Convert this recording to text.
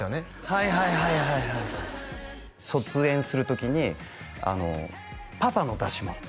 はいはいはいはいはい卒園する時にパパの出し物